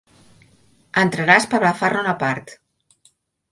Entraràs per agafar-ne una part.